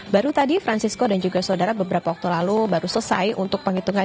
baru tadi francisco dan juga saudara beberapa waktu lalu baru selesai untuk penghitungan